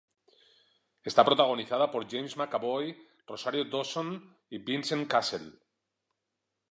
Está protagonizada por James McAvoy, Rosario Dawson y Vincent Cassel.